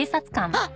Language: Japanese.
あっ！